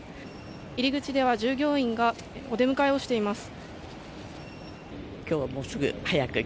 入り口では従業員がお出迎えをしています。